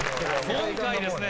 今回ですね